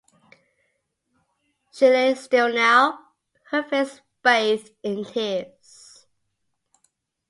She lay still now, her face bathed in tears.